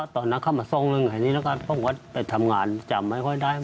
ตอนนั้นเขามาทรงเลยไงนี่นะคะพ่อก็ไปทำงานจำไม่ค่อยได้